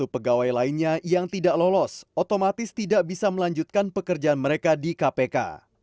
dua puluh pegawai lainnya yang tidak lolos otomatis tidak bisa melanjutkan pekerjaan mereka di kpk